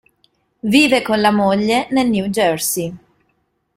Vive con la moglie nel New Jersey.